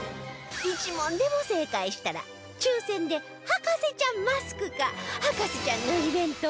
１問でも正解したら抽選で博士ちゃんマスクか『博士ちゃん』のイベント